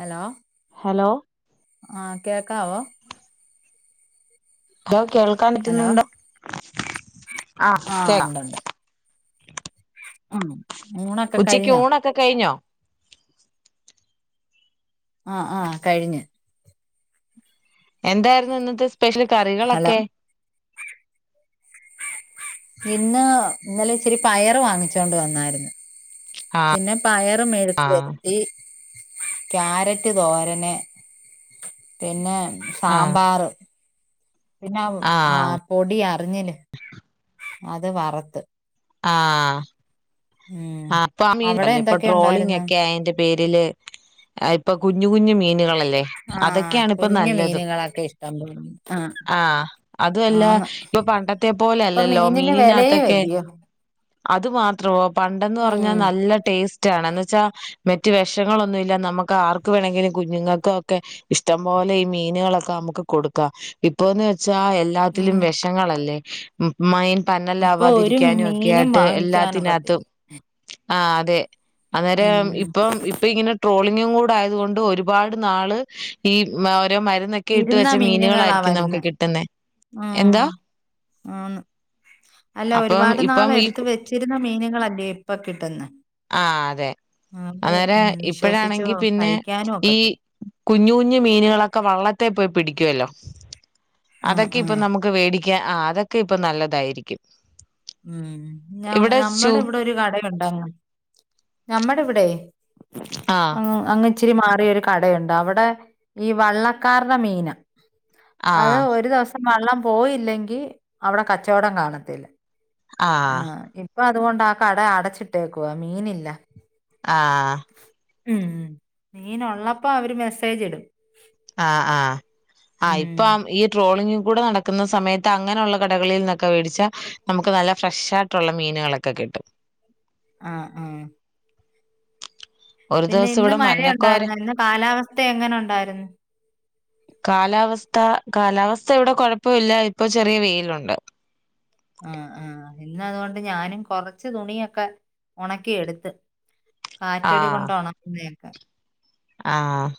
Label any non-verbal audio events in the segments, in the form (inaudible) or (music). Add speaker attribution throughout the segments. Speaker 1: Hello
Speaker 2: hello
Speaker 1: ആ കേക്കാവോ
Speaker 2: (unintelligible) കേൾക്കാൻ പറ്റുന്നുണ്ടോ? ആഹ്
Speaker 1: ആ
Speaker 2: കേക്കാം
Speaker 1: ഉണ്ടുണ്ട് ഉ
Speaker 2: ഉച്ചക്ക് ഊണൊക്കെ കഴിഞ്ഞോ
Speaker 1: ആ ആ കഴിഞ്ഞ്
Speaker 2: എന്തായിരുന്നു ഇന്നത്തെ സ്പെഷ്യൽ
Speaker 1: ഹലോ
Speaker 2: കറികളൊക്കെ
Speaker 1: ഇന്ന് ഇന്നലെ ഇച്ചിരി പയറ് വാങ്ങിച്ചോണ്ട് വന്നായിരുന്നു
Speaker 2: ആഹ്
Speaker 1: പിന്നെ പയറ് മെഴുക്ക്
Speaker 2: ആഹ്
Speaker 1: പുരുട്ടി ക്യാരറ്റ് തോരന് പിന്നെ
Speaker 2: ആഹ്
Speaker 1: സാമ്പാർ പിന്നെ അ ആ
Speaker 2: ആഹ്
Speaker 1: പൊടിയാ പനിഞ്ഞില് അത് വറത്ത്
Speaker 2: ആ ആ അപ്പൊ ആ മീൻ
Speaker 1: അവിടെ
Speaker 2: അല്ല ഇപ്പൊ
Speaker 1: എന്തൊക്കെ ഉണ്ടായിരുന്നു
Speaker 2: ട്രോളിങ്ങൊക്കെ അയേന്റെ പേരില് ഇപ്പൊ കുഞ്ഞു കുഞ്ഞ് മീനുകളല്ലേ
Speaker 1: ആഹ്
Speaker 2: അതൊക്കെയാണ് ഇപ്പൊ
Speaker 1: കുഞ്ഞു
Speaker 2: നല്ലതും
Speaker 1: മീനുകളൊക്കെ ഇഷ്ടം പോലെ ആഹ്
Speaker 2: ആ അതുവല്ല
Speaker 1: ആന്ന്
Speaker 2: ഇപ്പൊ പണ്ടത്തെ
Speaker 1: ഇപ്പൊ
Speaker 2: പോലല്ലല്ലോ
Speaker 1: മീനിന് വെലയും
Speaker 2: മീനിനകത്തൊക്കെ
Speaker 1: അല്ലിയോ
Speaker 2: അത് മാത്രവൊ പണ്ടന്ന് പറഞ്ഞാ
Speaker 1: ഉം
Speaker 2: നല്ല ടേസ്റ്റ് ആണ് എന്ന് വെച്ചാ മറ്റ് വിഷങ്ങളൊന്നുവില്ല നമുക്ക് ആർക്ക് വേണമെങ്കിലും കുഞ്ഞുങ്ങൾക്കൊക്കെ ഇഷ്ടം പോലെ ഈ മീനുകളൊക്കെ നമുക്ക് കൊടുക്കാം ഇപ്പന്ന് വെ ചാ എല്ലാത്തിലും
Speaker 1: ഉം
Speaker 2: വിഷങ്ങളല്ലേ മൈൻ
Speaker 1: ഇപ്പൊ ഒരു
Speaker 2: പന്നല്ലാവാതിരിക്കാനും ഒക്കെ
Speaker 1: മീനും
Speaker 2: ആയിട്ട്
Speaker 1: വാങ്ങിക്കാനൊക്കത്തില്ല
Speaker 2: എല്ലാത്തിനാത്തും ആ അതെ അന്നേരം
Speaker 1: ഉം
Speaker 2: ഇപ്പം ഇപ്പ ഇങ്ങനെ ട്രോളി ഞ്ഞുകൂടായതുകൊണ്ട് ഒരു പാട് നാള് ഈ മ ഓരോ മരുന്നൊക്കെ ഇട്ട്
Speaker 1: ഇരുന്ന
Speaker 2: വെച്ച
Speaker 1: മീനുകളാ
Speaker 2: മീനുകളായിരിക്കും
Speaker 1: വരുന്ന
Speaker 2: നമുക്ക് കിട്ടുന്നെ
Speaker 1: ഉ
Speaker 2: എന്താ
Speaker 1: ആന്ന് അല്ല
Speaker 2: അപ്പം
Speaker 1: ഒരുപാട് നാൾ
Speaker 2: ഇപ്പം ഈ
Speaker 1: എടുത്ത്
Speaker 2: കു-
Speaker 1: വെച്ചിരുന്ന മീനുകളല്ലേ കിട്ടുന്നെ
Speaker 2: ആ അതെ
Speaker 1: അത്
Speaker 2: അന്നേര
Speaker 1: ഉം വിശ്വസിച്ചു
Speaker 2: ഇപ്പഴാണെങ്കിൽ പിന്നെ
Speaker 1: കഴിക്കാനും
Speaker 2: ഈ
Speaker 1: ഒക്കത്തില്ല
Speaker 2: കുഞ്ഞു കുഞ്ഞു മീനുകളൊക്കെ വള വെള്ളത്തെ പോയി പിടിക്കുവല്ലോ
Speaker 1: ആഹ്
Speaker 2: അതൊക്കെ ഇപ്പൊ
Speaker 1: ആഹ്
Speaker 2: നമുക്ക് വേടി ആ അതൊക്കെ ഇപ്പൊ നല്ലതായിരിക്കും
Speaker 1: ഉം
Speaker 2: ഇവിടെ ചൂ
Speaker 1: നമ്മുടെ ഇവിടെ ഒരു കട ണ്ട ഞമ്മടെ ഇവിടെ
Speaker 2: ആ
Speaker 1: അ അങ്ങ ഇച്ചിരി മാറിയ ഒരു കടയുണ്ട് അവിടെ ഈ വള്ളക്കാരുടെ മീന
Speaker 2: ആ
Speaker 1: അത് ഒരു ദിവസം വള്ളം പോയില്ലെങ്കിൽ അവിടെ കച്ചവടം കാണത്തില്ല
Speaker 2: ആ
Speaker 1: ആഹ ഇ അപ്പൊ അതുകൊണ്ട് ആ കട അടച്ചിട്ടേക്കുവാ മീനില്ല
Speaker 2: ആഹ
Speaker 1: ഉം മീൻ ഉള്ളപ്പോ അവര് മെസ്സേജ് ഇടും
Speaker 2: ആഹ ആഹ് ആ്
Speaker 1: ഉം
Speaker 2: ഇപ്പൊ ഈ ട്രോളിംഗ കൂ നടക്കുന്ന സമയത്ത് അങ്ങനെയുള്ള കടകളിൽ നിന്നൊക്കെ മേടിച്ചാൽ നമുക്ക് നല്ല ഫ്രഷായിട്ടുള്ള മീനുകളൊക്കെ കിട്ടും
Speaker 1: ആഹ ആഹ
Speaker 2: ഒരു
Speaker 1: പിന്നെ
Speaker 2: ദിവസം
Speaker 1: ഇന്ന്
Speaker 2: ഇവിടെ മഞ്ഞക്കോര
Speaker 1: മഴയുണ്ടായിരുന്നു ഇന്ന് കാലാവസ്ഥ എങ്ങനെ ഉണ്ടായിരുന്നു
Speaker 2: ക കാലാവസ്ഥ ഇവിടെ കുഴപ്പമില്ല ഇപ്പൊ ചെറിയ വെയിലുണ്ട്
Speaker 1: ആ ആഹ ഇന്ന് അതുകൊണ്ട് ഞാനും കൊറച്ച് തുണിയൊക്കെ ഉണക്കിയ എടുത്ത് കാറ്റടി കൊണ്ടോണഗിക്കെ
Speaker 2: ആഹ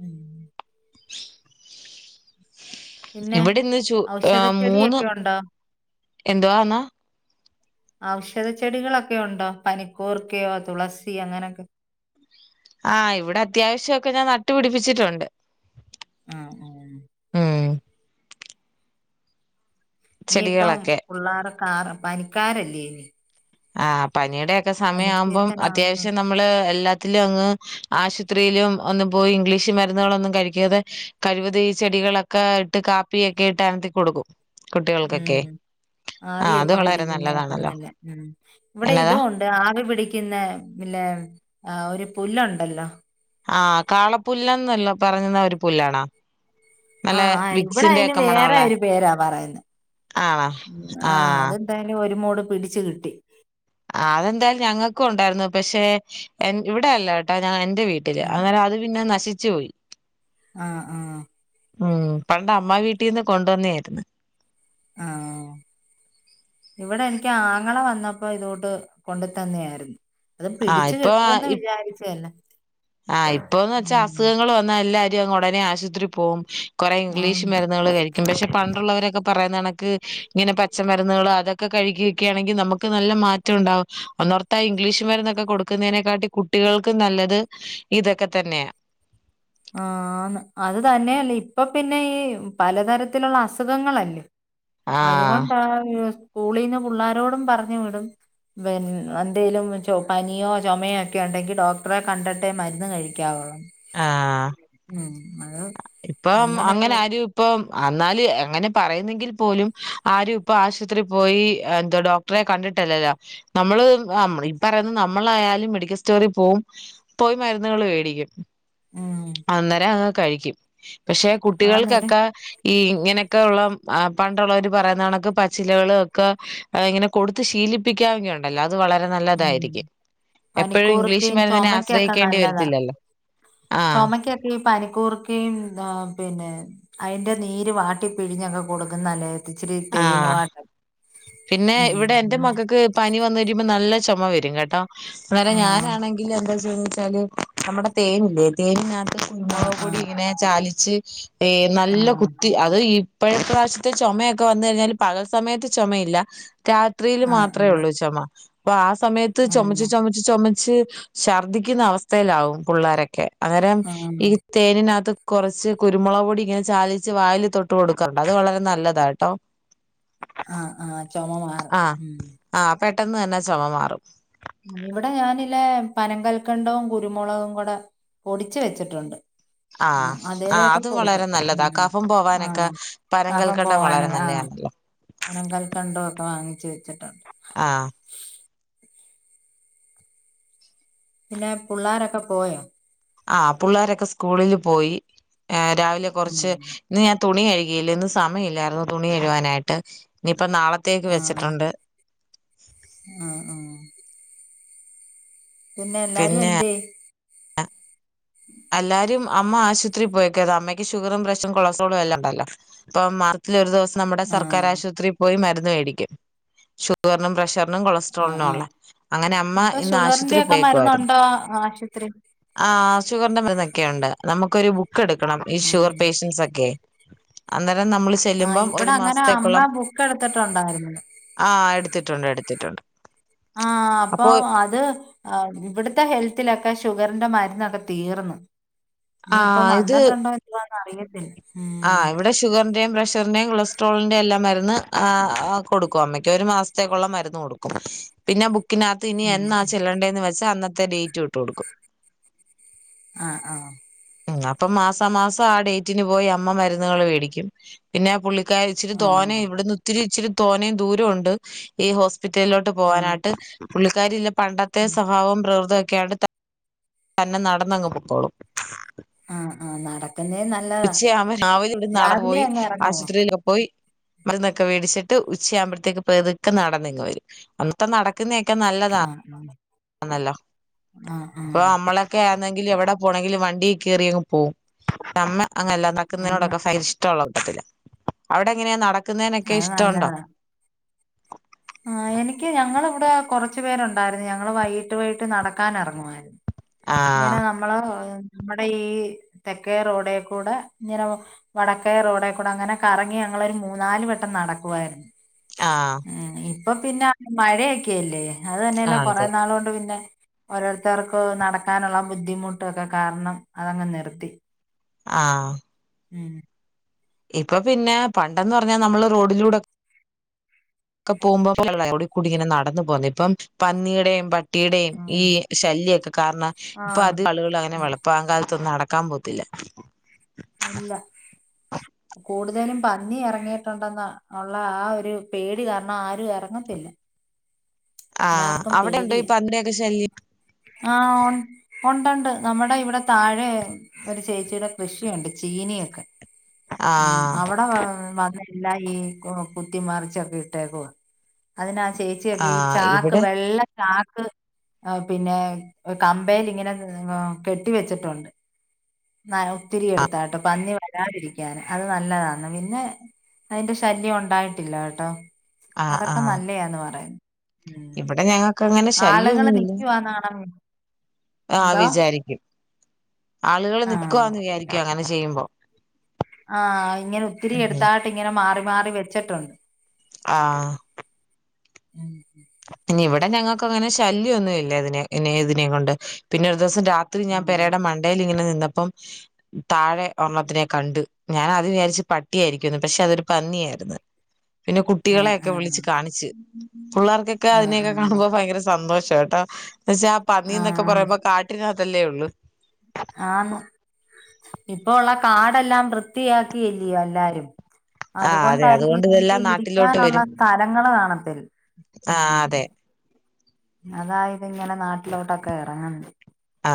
Speaker 1: ഉം
Speaker 2: (unintelligible)
Speaker 1: പിന്നെ
Speaker 2: ഇവിടെ ഇന്ന് ചു ഏ മൂന്ന്
Speaker 1: ഔഷധച്ചെടിയൊക്കെ ഉണ്ടോ
Speaker 2: എന്തുവന്ന്
Speaker 1: ഔഷധ ചെടികളൊക്കെ ഉണ്ടോ പനികുർകയോ തുളസി അങ്ങനെയൊക്കെ
Speaker 2: ആഹ് ഇവിടെ അത്യാവശ്യംക്കെ ഞാൻ നട്ടുപിടിപ്പിച്ചിട്ടുണ്ട്
Speaker 1: ആഹ ഉ
Speaker 2: ഉം
Speaker 1: ഇനിയിപ്പം
Speaker 2: ചെടികളൊക്കെ
Speaker 1: പിള്ളോര.. കറ പനിക്കാരല്ലേ
Speaker 2: ആഹ് പനിയട്.. (unintelligible) ക്കെ
Speaker 1: പനി
Speaker 2: സമയം ആവുമ്പം
Speaker 1: സീസൺ ആവുന്നു
Speaker 2: അത്യാവശ്യം നമ്മള് എല്ലാത്തിലും അങ്ങ്.. ആശുത്രിയിലും ഒന്നും പോയി ഇംഗ്ലീഷ് മരുന്നുകളൊന്നും കഴിക്കാതെ കഴിവതും ഈ ചെടികളൊക്കെ ഇട്ട് കാപ്പിയൊക്കെ ഇട്ട് അനത്തി കൊടുക്കും. കുട്ടികൾക്കൊക്കെ
Speaker 1: ഉം
Speaker 2: ആഹ് അത്
Speaker 1: ആവിയൊക്കെ
Speaker 2: വളരെ
Speaker 1: പിടിക്കുന്നൊക്കെ
Speaker 2: നല്ലതാണല്ലോ
Speaker 1: നല്ല ഉം ഇവിടെ
Speaker 2: എന്നതാ
Speaker 1: ഇതും ഒണ്ട് ആവി പിടിക്കുന്ന ഇല്ലേമ് ആ ഒരു പുല്ലുണ്ടല്ലോ
Speaker 2: ആ കാളപ്പുല്ലന്നല്ല പറയുന്ന ഒരു പുല്ലാണാേ.
Speaker 1: ആ ആ ഇവിടെ അതിന് വേറെ ഒരു പേരാ പറയുന്ന
Speaker 2: ആണോ
Speaker 1: ആ
Speaker 2: ആഹ്
Speaker 1: അതെന്തായാലും ഒരുമൂട് പിടിച്ചു കിട്ടി
Speaker 2: ആ അതെന്തായാലും ഞങ്ങക്കും ഒണ്ടായിരുന്നു പക്ഷെ എന് ഇവിടെയല്ല കേട്ടോ ഞ എന് ന്റെ വീട്ടില് അന്നേരം അത് പിന്നെ നശി ച്ചോയ്
Speaker 1: ആ ആ
Speaker 2: ഉം പണ്ട് അമ്മ വീട്ടിന്ന് കൊണ്ടുവന്നെ ആരുന്ന്
Speaker 1: ആ ഇവിടെ എനിക്ക് ആങ്ങള വന്നപ്പോ ഇതോട്ട് കൊണ്ടു തന്നെ ആരുന്നു. അത്
Speaker 2: ആഹ്
Speaker 1: പിടിച്ചു
Speaker 2: ഇപ്പൊ
Speaker 1: കെട്ടുവന്ന്
Speaker 2: ഇപ്
Speaker 1: വിചാരിച്ചന്നെ
Speaker 2: ആഹ് ഇപ്പൊന്ന് വെച്ചാ അസുഖങ്ങള് വന്നാ എല്ലാരും (unintelligible) ഒടനെ ആശുത്രി പോകും കൊറെ ഇംഗ്ലീഷ്
Speaker 1: ആന്ന്
Speaker 2: മരുന്നുകള് കഴിക്കും പക്ഷെ പണ്ടുള്ളവരൊക്കെ പറയുന്ന കാണ ക്ക് ഇങ്ങനെ പച്ചമരുന്നുകള് അതൊക്കെ കഴിക്കു എക്കയാണെങ്കിൽ നമുക്ക് നല്ല മാറ്റം ഒണ്ടാവും ഒന്നോർത്ത ഇംഗ്ലീഷ് മരുന്നൊക്കെ കൊടുക്കുന്നതിനെക്കാട്ടി കുട്ടികൾക്ക് നല്ലത് ഇതൊക്കെ തന്നെയാ
Speaker 1: ആഹ് ആന്ന് അത് തന്നെയല്ലേ ഇപ്പൊ പിന്നെ ഈ പലതരത്തിലൊള്ള അസുഖങ്ങളല്ലേ
Speaker 2: ആഹ്
Speaker 1: അതുകൊണ്ടാ (unintelligible) സ്കൂളീന്ന് പുള്ളോരോടും പറഞ്ഞു വിടും പിന് എന്തേലും ച പനിയോ ചൊമയോ ഒക്കെ ഉണ്ടെങ്കി ഡോക്ടറെ കണ്ടിട്ടേ മരുന്ന് കഴിക്കാവൊള്ളന്ന്
Speaker 2: ആഹ്
Speaker 1: ഉം അതാ
Speaker 2: ഇപ്പം അങ്ങനെ ആരും ഇപ്പം അന്നാല് എങ്ങനെ പറയുന്നെങ്കിൽ പോലും ആരും ഇപ്പൊ ആശുത്രി പോയി എന്തുവ ഡോക്ടറെ കണ്ടിട്ടല്ലല്ലോ നമ്മള് നമ്മള് ഈ പറയുന്ന നമ്മളായാലും മെഡിക്കൽ സ്റ്റോറിൽ പോവും പോയി മരുന്നുകള് വേടിക്കും
Speaker 1: ഉം
Speaker 2: അന്നേരം അ കഴിക്കും പക്ഷെ
Speaker 1: ആന്നേരം
Speaker 2: കുട്ടികൾക്കെക്കെ ഈ ഇങ്ങനെയൊക്കെ ഒള്ള പണ്ടുള്ളവര് പറയുന്ന കണക്ക് പച്ചിലകള് ഒക്കെ ഇങ്ങനെ കൊടുത്ത് ശീലിപ്പിക്കാവങ്കി ഒണ്ടല്ലോ അ എപ്പോഴും ഇംഗ്ലീഷ്
Speaker 1: പനിക്കൂർക്കയും
Speaker 2: മരുന്നിനെ
Speaker 1: ചൊമക്കൊക്കെ
Speaker 2: ആശ്രയിക്കേണ്ടി
Speaker 1: നല്ലതാ
Speaker 2: വരത്തില്ലല്ലോ ആഹ്
Speaker 1: ചൊമക്കൊക്കെ ഈ പനിക്കൂർക്കയും ആഹ്‌ പിന്നെ അയിന്റെ നീര് വാട്ടി പിഴിഞ്ഞൊക്കെ കൊടുക്കുന്നലേ
Speaker 2: ആ പിന്നെ ഇവിടെ എന്റെ
Speaker 1: ഉം
Speaker 2: മക്കക്ക് പനി വന്നഴിയുമ്പം നല്ല ചൊമ വ രും കേട്ടോ. അന്നേരെ
Speaker 1: ആ
Speaker 2: ഞാനാണെങ്കിൽ എന്താ ചെയ് ചാല് നമ്മടെ തേനില്ലേ തേനിന്നാ ത്ത്
Speaker 1: ആ ആ
Speaker 2: കുരുമോളകുപൊടി ഇങ്ങനെ ചാലിച്ച് ച്ച് ഏ
Speaker 1: ആ
Speaker 2: നല്ല കുത്തി അത് ഈ ഇപ്പഴത്തെ പ്രാശ്യത്തെ ചോമേ ഒക്കെ വന്നുകഴിഞ്ഞാല് പകൽ സമയത്ത് ചൊമയില്ല രാത്രീല്
Speaker 1: ആ
Speaker 2: മാത്രേ ഒള്ളു ചൊമ. പാസ് സമയത്ത്
Speaker 1: ആ
Speaker 2: ചൊമച്ചു ചൊമച്ചു ചൊമച് ച്ച് ശർദിക്കുന്ന അവസ്ഥേലാവും പുള്ളാരൊക്കെ. അന്നരം
Speaker 1: ആ
Speaker 2: ഈ
Speaker 1: ആ
Speaker 2: തേനിനാത്ത് കൊറച്ച് കുരുമുളക് പൊടി ഇങ്ങനെ ചാലിച്ച് വായില് തൊട്ട് കൊടുക്കാറുണ്ട് അത് വളരെ നല്ലതാ ട്ടോ.
Speaker 1: ആ ആ ചൊമമാറും ഉം
Speaker 2: പെട്ടന്ന് തന്നെ ചൊമ മാറും.
Speaker 1: ഇവിടെ ഞാനില്ലേ പനങ്കൽക്കണ്ടോം കുരുമുളകും കൂടെ പൊടിച്ച് വെച്ചിട്ടുണ്ട്. ആ
Speaker 2: ആ
Speaker 1: അതേലെയൊക്കെ
Speaker 2: അതും
Speaker 1: കൊടുക്കും
Speaker 2: വളരെ നല്ലതാ കഫം
Speaker 1: ആ
Speaker 2: പോവാനൊക്കെ
Speaker 1: കഫം
Speaker 2: പനങ്കൽക്കണ്ടം
Speaker 1: പോവാന
Speaker 2: വളരെ
Speaker 1: ആ
Speaker 2: നല്ലയാണല്ലോ.
Speaker 1: പനം കൽക്കണ്ടോ ഒക്കെ വാങ്ങി ശരി ചിട്ട
Speaker 2: ആ
Speaker 1: പിന്നെ പുള്ളാരൊക്കെ പോയോ?
Speaker 2: ആ പുള്ളാരൊക്കെ സ്കൂളില് പോയി. രാവിലെ
Speaker 1: ഉം
Speaker 2: കൊറച്ച് ഇന്നുഞാൻ തുണി കഴുകിയില്ലിന്നു സമയില്ലാരുന്നു തുണി കഴുവാനായിട്ട് ഇപ്പൊ നാളത്തേക്ക് വെച്ചിട്ടൊണ്ട്. (unintelligible)
Speaker 1: ആ ആ പിന്നെ എല്ലാരും എന്ത്യെ?
Speaker 2: എല്ലാരും, അമ്മ ആശൂത്രീ പോയേക്ക അത് അമ്മയ്ക്ക് ഷുഗറും പ്രഷ്രും കൊളസ്ട്രോളും എല്ലാം ഒണ്ടല്ലോ ഇപ്പൊ മാസത്തിലൊരു ദിവസം നമ്മുടെ
Speaker 1: ആഹ്
Speaker 2: സർക്കാരാശൂത്രീ പോയി മരുന്ന് മേടിക്കും ഷുഗറിനും പ്രഷർ റിനും
Speaker 1: ആഹ്
Speaker 2: കൊളസ്ട്രോളിനുവൊള്ള
Speaker 1: ആഹ്
Speaker 2: അങ്ങനെ അമ്മ
Speaker 1: ഇപ്പൊ
Speaker 2: ഇന്ന്
Speaker 1: ഷുഗറിന്റെ
Speaker 2: ആശൂത്രീ
Speaker 1: ഒക്കെ
Speaker 2: പോയക്കുവാരുന്നു
Speaker 1: മരുന്നുണ്ടോ ആശുപത്രി
Speaker 2: ആ. തൊക്കെുണ്ട് നമുക്കൊരു എടുക്കണം ഈ ഷുഗർ പേഷ്യൻറ്സ് ഒക്കെ അന്ത
Speaker 1: ആ് ഇവിടെ അങ്ങനെ അമ്മ ബുക്ക എടുത്തിട്ടുണ്ടായിരുന്നു
Speaker 2: ആ എടുത്തിട്ടുണ്ട് എടുത്തിട്ടുണ്ട്.
Speaker 1: ആ അപ്പൊ അത് ഇവിടുത്തെ ഹെൽത്തിലൊക്കെ ഷുഗറിന്റെ മരു അതിനക തീർന്നു നീ
Speaker 2: ആ
Speaker 1: ഇപ്പ വന്നിട്ടുണ്ടോ അറിയത്തില്ല ഉം
Speaker 2: ആഹ് ഇവിടെ ഷുഗറിന്റെയും പ്ര ശർന്റേം കൊളസ്ട്രോളിന്റെ എല്ലാം മരുന്ന് കൊടുക്കും അമ്മക്ക ഒരു മാസത്തേക്കുള്ള മരുന്ന് കൊടുക്കും പിന്നെ ബുക്ക്‌ ക്കിനാത്ത് ഇനി
Speaker 1: ഉം
Speaker 2: എന്നാ ചെല്ലണ്ടേന്ന് വെച്ചാ അന്ന ത്തെ ഡേറ്റ് ഇട്ട് കൊടുക്കും
Speaker 1: ആ ആ
Speaker 2: അപ്പൊ മാസാ മാസം ആ ഡേറ്റിന് പോയി അ മ്മ മരുന്നുകൾ മേടിക്കും പിന്നെ പുള്ളി ക്കാരി ഇച്ചിരി തോനെ
Speaker 1: ആഹ്
Speaker 2: ഇവിടുന്ന് ഒത്തിരി ഇച്ചിരി തോന്നയും ദൂരോ ഉണ്ട് ഈ ഹോസ് പിറ്റലോട്ട്
Speaker 1: ആഹ്
Speaker 2: പോകാനായിട്ട് പുള്ളിക്കാരില്ല പണ്ടത്തെ സഹാവം പ്രവർത്ത ക്കണ്ട് തന്നെ നടന്നങ്ങ് പോക്കോളും
Speaker 1: ആ ആ നട
Speaker 2: ഉച്ചയ ആവ ഇവിടുന്ന് നടന്നു
Speaker 1: രാവിലെ
Speaker 2: പോയി
Speaker 1: അങ്ങ് എറങ്ങുവോ
Speaker 2: ആശുപത്രിയിലൊ പോയി മരുന്നൊക്കെ വേടിച്ചിട്ട് ഉച്ച ആവുമ്പോഴത്തേക്ക് പതുക്കെ നടന്നിങ്ങ് വരും അന്നത്തെ നട ക്കുന്നൊക്കെ നല്ലതാ
Speaker 1: ആഹ്
Speaker 2: ആന്നല്ലൊ
Speaker 1: ആഹ് ആഹ്
Speaker 2: ഇപ്പൊ
Speaker 1: ആഹ്
Speaker 2: നമ്മളൊക്കെയാ ണെങ്കില് എവിടെ പോണെങ്കിലും വണ്ടി കേറിയങ് പോവും അമ്മ അങ്ങനല്ല
Speaker 1: ആന്ന്
Speaker 2: നടക്കുന്നതിനോടൊക്കെ ഫ ഇഷ്ട്ടൊള്ളത് അവിടെ എങ്ങനെയ നട ക്കുന്നനൊക്കെ
Speaker 1: അത്
Speaker 2: ഇഷ്ടമുണ്ടോ
Speaker 1: നല്ലതാ ആഹ് എനിക്ക് ഞങ്ങളിവിടെ കൊറച്ചു പേരുണ്ടായിരുന്നു ഞങ്ങള് വൈകീട്ട് പോയിട്ട് നടക്കാൻ ഇറങ്ങുമായിരുന്നു ഇങ്ങനെ
Speaker 2: ആഹ്
Speaker 1: നമ്മള് നമ്മുടെ ഈ തെക്കേ റോഡേക്കൂടെ ഇങ്ങനെ വടക്കയ റോഡേക്കൂടെ അങ്ങനെ കറങ്ങി ഞങ്ങളങ്ങനെ മൂന്നാല് വട്ടം നടക്കുവായിരുന്നു
Speaker 2: ആഹ്
Speaker 1: ആ ഇ പ്പൊ പിന്ന മഴയൊക്കെഅല്ലേ അത് തന്നെയാണ്
Speaker 2: ആഹ്
Speaker 1: കൊറേ
Speaker 2: അതെ
Speaker 1: നാള് കൊണ്ട് പിന്നെ ഓരോരുത്തർക്കും നട- ക്കാനുള്ള ബുദ്ധിമുട്ടൊക്കെ കാരണം അതങ്ങ് നിർത്തി
Speaker 2: ആ
Speaker 1: ഉം
Speaker 2: ഇപ്പൊ പിന്നെ പണ്ടന്ന് പറഞ്ഞാ നമ്മള് റോഡിലൂടെ ഒക്കെ പോകുമ്പോ കൂടി ഇങ്ങനെ നടന്നു പോന്നു ഇപ്പം പന്നിടെയും പട്ട് ട്ടിയുടെയും ഈ
Speaker 1: ഉം
Speaker 2: ശല്യക്കെ കാരണം ഇപ്പൊ
Speaker 1: ആഹ്
Speaker 2: അത് ആളുകൾ അങ്ങനെ വെളുപങ്കാലത്തൊന്ന് നട ക്കാം പോത്തില്ല
Speaker 1: ഇല്ല കൂടുതലും പന്നി ഇറങ്ങിയിട്ടുണ്ടെന്ന ഉള്ള ആ ഒരു പേടി കാരണം ആരും ഇറങ്ങത്തില്ല
Speaker 2: ആ
Speaker 1: എല്ലാവർക്കും
Speaker 2: അവിടെ ഉണ്ടോ ഈ
Speaker 1: പേടിയാ
Speaker 2: പന്നിടെക്കെ ശല്യം
Speaker 1: ഉണ്ടണ്ട് നമ്മുടെ ഇവിടെ താഴെ ഒരു ചേച്ചിയുടെ കൃഷിയുണ്ട് ചീനിയൊക്കെ ഉം
Speaker 2: ആഹ്
Speaker 1: അവിടെ വാ വ എല്ലാ ഈ കുത്തി മറിച്ചൊക്കെ ഇട്ടേക്കുവാ അതിനാ (unintelligible)
Speaker 2: ആഹ്
Speaker 1: നാക്ക്
Speaker 2: ഇവിടെ
Speaker 1: വെള്ള ചാക്ക് പിന്നെ കമ്പേൽ ഇങ്ങനെ എ കെട്ടി വെച്ചിട്ടുണ്ട് ന ഒത്തിരിയ
Speaker 2: ആഹ്
Speaker 1: എടുത്താ കേട്ടോ പന്നി വരാതിരിക്കാന് അത് നല്ലതാണ് പിന്നെ അയ്ന്റെ ശല്യം ഉണ്ടായിട്ടില്ല കേട്ടോ
Speaker 2: ആഹ്
Speaker 1: അതൊക്കെ
Speaker 2: ആഹ്
Speaker 1: നല്ലയാന്ന് പറയും
Speaker 2: ഇവിടെ ഞങ്ങക്ക് അങ്ങനെ
Speaker 1: ആളുകള്
Speaker 2: ശല്യൊന്നുല്ല
Speaker 1: നിക്കുവാന്നാണ്
Speaker 2: ആ
Speaker 1: എന്തോ
Speaker 2: വിചാരിക്കും ആളുകള്
Speaker 1: ആഹ്
Speaker 2: നിക്കുവാന്ന് വിചാരിക്കുവ അങ്ങനെ ചെയ്യുമ്പോ
Speaker 1: ആ ഇങ്ങനെ ഒത്തിരി
Speaker 2: ഉം
Speaker 1: എട്ത്താട്ട് ഇങ്ങനെ മാറി മാറി വെച്ചിട്ടൊണ്ട്
Speaker 2: ആ ഇനി ഇവിടെ ഞങ്ങക്കങ്ങനെ ശല്യാെന്നു ഇല്ല ഇതിനെ ഇതിനെ കൊണ്ട് പിന്നെ ദിവസം രാത്രി ഞാൻ
Speaker 1: ഉം
Speaker 2: പെരയുടെ മണ്ടേൽ ഇങ്ങെനെ നിന്ന് പ്പം താഴെ ഒർണ്ണത്തിനെ കണ്ട് ഞാൻ അത് വിചാരിച്ച് പട്ടിയായിരിക്കുന്നു പക്ഷെ അതൊരു പന്നിയായിരുന്നു പിന്നെ
Speaker 1: ആഹ്
Speaker 2: കുട്ടികളെക്കെ വിളിച്ച്
Speaker 1: ആഹ്
Speaker 2: കാണിച്ച് ഫുള്ള ക്ക്
Speaker 1: ആഹ്
Speaker 2: അതിനെയെക്കെ
Speaker 1: ആഹ്
Speaker 2: കാണുമ്പോ ഭയങ്കര സന്തോഷം ട്ടേട്ടാ എന്നച്ചാ ആ പന്നിന്നൊക്കെ
Speaker 1: ആഹ്
Speaker 2: പറയുമ്പോ കാട്ടിന അതല്ലേ ഒള്ളു
Speaker 1: ഇപ്പ ഉള്ള കാടെല്ലാം വൃത്തിയാക്കിയില്ലിയോ എല്ലാരും
Speaker 2: ആഹ് അതെ
Speaker 1: അതുകൊണ്ടായിരിക്കും
Speaker 2: അതുകൊണ്ട്
Speaker 1: ഇനൊക്കെ
Speaker 2: ഇതെല്ലാം നാട്ടിലോട്ട്
Speaker 1: ഇരിക്കാനുള്ള
Speaker 2: വരും.
Speaker 1: സ്ഥലങ്ങൾ കാണത്തില്ല
Speaker 2: ആഹ് അതെ
Speaker 1: അതാ ഇതി ഇങ്ങനെ നാട്ടിലോട്ടൊക്കെ ഇറങ്ങന്ന്
Speaker 2: ആ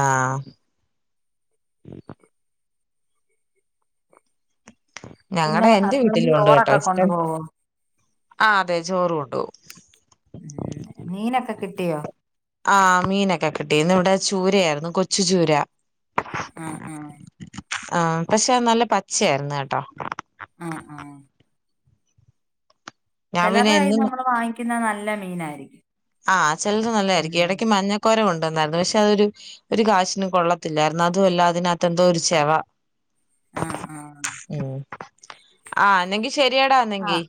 Speaker 1: പിന്നെ
Speaker 2: ഞങ്ങളടെ എന്റെ
Speaker 1: ഹസ്ബൻഡ്
Speaker 2: വീട്ടിലുണ്ട് കേട്ടോ
Speaker 1: ചോറൊക്കെ
Speaker 2: ഇഷ്ടം
Speaker 1: കൊണ്ടുപോവോ
Speaker 2: ആ അതെ ചോറ് കൊണ്ട്പോവും
Speaker 1: ഉം മീനൊക്കെ കിട്ടിയോ?
Speaker 2: ആഹ് മീനൊക്കെ കിട്ടി. ഇന്ന് ഇവിടെ ചൂരയായിരുന്നു, കൊച്ചു ചൂര.
Speaker 1: ആഹ് ആഹ്
Speaker 2: ആഹ് പക്ഷെ നല്ല പച്ചയായിരുന്നു കേട്ടോ.
Speaker 1: ആഹ് ആഹ്
Speaker 2: ഞാൻ പിന്നെ
Speaker 1: ചിലർടെ കയ്യിന്നു
Speaker 2: എന്നും
Speaker 1: നമ്മള് വാങ്ങിക്കുന്ന ന ല്ല മീനായിരിക്കും.
Speaker 2: ആഹ് ചെിലത് നല്ലതായിരിക്കും
Speaker 1: ഉം
Speaker 2: ഇടക്ക് മഞ്ഞക്കോര കൊ ണ്ടന്നായിരുന്നു പക്ഷെ അതൊരു ഒരു കാശിനും കൊള്ളത്തില്ലായിരുന്നു. അതും അല്ലാ അതിനാത്തെന്തോ ഒരു ചെവ.
Speaker 1: ആഹ് ആഹ്
Speaker 2: ഉം ആഹ് ന്നെങ്കി ശരിയടാ
Speaker 1: ആ
Speaker 2: എന്നെങ്കി.